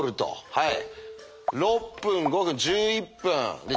はい。